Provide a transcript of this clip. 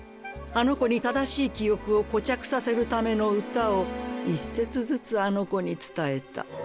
あの子に正しい記憶を固着させるための詩を一節ずつあの子に伝えた。